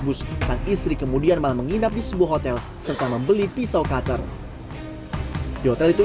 bus sang istri kemudian malah menginap di sebuah hotel serta membeli pisau cutter di hotel itu